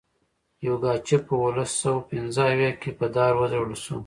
یوګاچف په اوولس سوه پنځه اویا کې په دار وځړول شو.